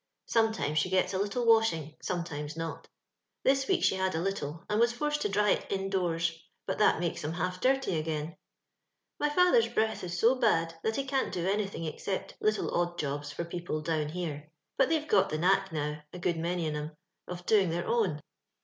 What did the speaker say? "Sometimes she gets a little washing — sometimes not* This week she had a littlet and was foroed to diy it indoors; but that makes 'em half dirty again. «* My fiuhei's breath is so bad that he cant do anything except little odd jobs for people down heie ; but tney've pot the knack now, a good many on *em, of doin' their own.